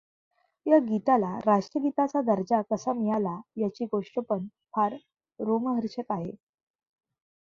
या गीताला राष्ट्रगीताचा दर्जा कसा मिळाला, याची गोष्ट पण फार रोमहर्षक आहे.